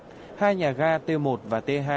hai nhà ga t một và t hai vô